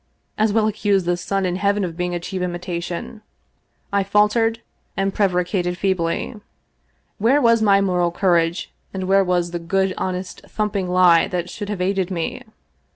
As well accuse the sun in heaven of being a cheap imitation. I faltered and pre varicated feebly. Where was my moral courage, and where was the good, honest, thumping lie that should have aided me